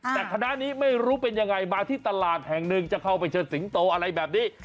แต่คณะนี้ไม่รู้เป็นยังไงมาที่ตลาดแห่งหนึ่งจะเข้าไปเชิดสิงโตอะไรแบบนี้